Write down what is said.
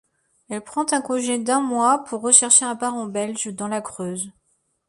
Elle prend un congé d'un mois pour rechercher un parent belge dans la Creuse.